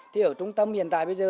thì ở trung tâm hiện tại bây giờ